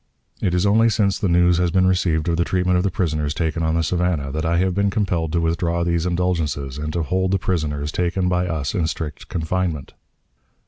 It is only since the news has been received of the treatment of the prisoners taken on the Savannah, that I have been compelled to withdraw these indulgences, and to hold the prisoners taken by us in strict confinement.